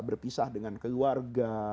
berpisah dengan keluarga